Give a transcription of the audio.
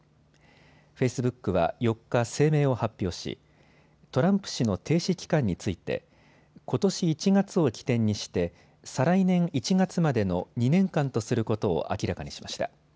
フェイスブックは４日、声明を発表しトランプ氏の停止期間についてことし１月を起点にして再来年１月までの２年間とすることを明らかにしました。